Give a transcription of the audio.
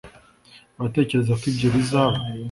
uratekereza ko ibyo bizaba